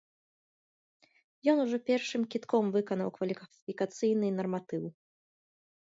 Ён ужо першым кідком выканаў кваліфікацыйны нарматыў.